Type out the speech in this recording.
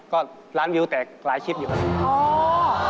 ก็ร้านวิวแต่หลายคลิปอยู่ครับ